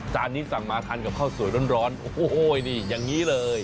นี้สั่งมาทานกับข้าวสวยร้อนโอ้โหนี่อย่างนี้เลย